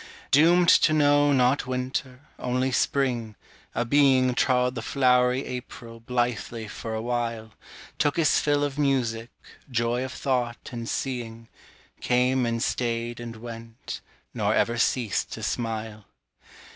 Doomed to know not winter, only spring, a being Trod the flowery April blithely for a while, Took his fill of music, joy of thought and seeing, Came and stayed and went, nor ever ceased to smile.